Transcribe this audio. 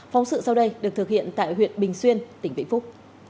phóng sự sau đây được thực hiện tại huyện bình xuyên tỉnh vĩnh phúc